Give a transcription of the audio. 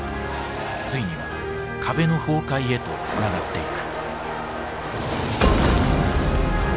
ついには壁の崩壊へとつながっていく。